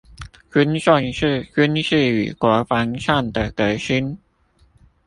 均重視軍事與國防上的革新